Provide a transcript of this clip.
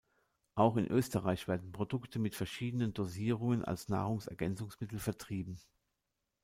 Auch in Österreich werden Produkte mit verschiedenen Dosierungen als Nahrungsergänzungsmittel vertrieben.